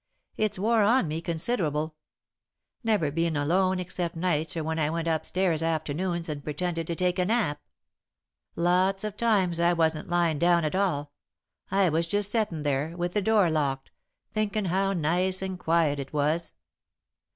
It's wore on me considerable never bein' alone except nights or when I went up stairs afternoons and pretended to take a nap. Lots of times I wasn't lyin' down at all I was just settin' there, with the door locked, thinkin' how nice and quiet it was.